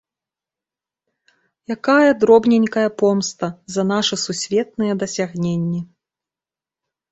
Якая дробненькая помста за нашы сусветныя дасягненні!